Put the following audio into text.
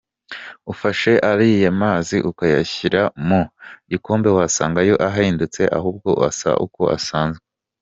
Ufashe ariya mazi ukayashyira mu gikombe wasanga yo atahindutse ahubwo asa uko asanzwe.